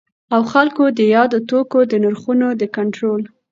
او خلګو د یادو توکو د نرخونو د کنټرول